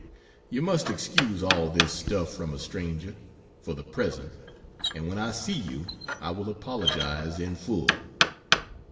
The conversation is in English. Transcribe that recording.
You must excuse all this stuff from a stranger, for the present, and when I see you I will apologize in full.